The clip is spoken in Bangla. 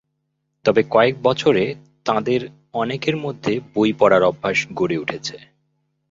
তবে কয়েক বছরে তাঁদের অনেকের মধ্যে বই পড়ার অভ্যাস গড়ে উঠেছে।